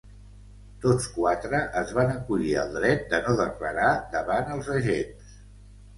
Tots quatre es van acollir al dret de no declarar davant els agents.